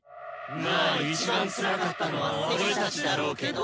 まあ一番つらかったのは私・僕・俺たちだろうけど。